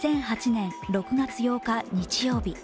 ２００８年６月８日日曜日。